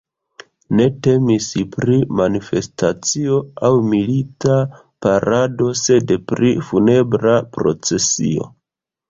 Ne temis pri manifestacio aŭ milita parado, sed pri funebra procesio.